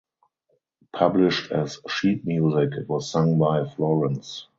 Published as sheet music it was sung by Florence.